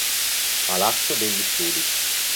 Palazzo degli Studi